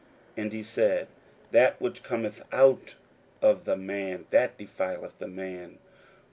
41:007:020 And he said, That which cometh out of the man, that defileth the man.